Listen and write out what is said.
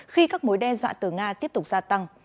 khi các mối đe dọa từ nga tiếp tục gia tăng